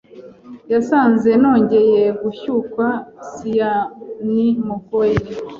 Yasanze nongeye gushyukwa sianmugoye